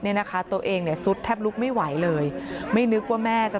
เนี่ยนะคะตัวเองเนี่ยซุดแทบลุกไม่ไหวเลยไม่นึกว่าแม่จะ